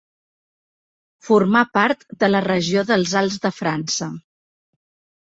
Formar part de la regió dels Alts de França.